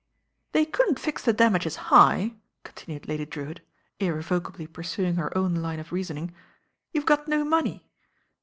"They couldn't fix the damages high," continued Lady Drewitt, irrevocably pursuing her own line of reasoning. "You've got no money."